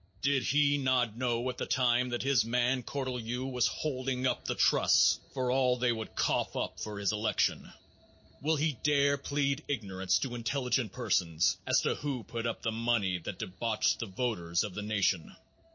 Did he not know at the time that his man Cortelyou was holding up the trusts for all they would "cough up" for his election? Will he dare plead ignorance to intelligent persons as to who put up the money that debauched the voters of the nation?